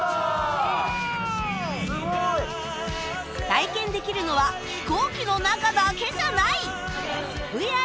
体験できるのは飛行機の中だけじゃない！